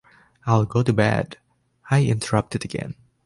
'I’ll go to bed,’ I interrupted again.